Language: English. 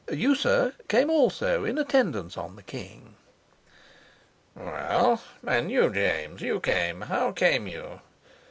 "You, sir, came also, in attendance on the king." "Well, and you, James? You came. How came you?"